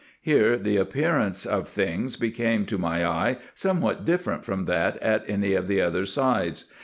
Here the appearance of things became to my eye somewhat different from that at any of the other sides.